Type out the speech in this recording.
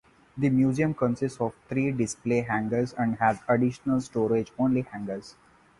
The museum consists of three display hangars and has additional storage-only hangars.